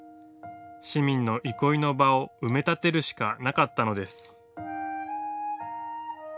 市民の憩いの場を埋め立てるしかなかったのです。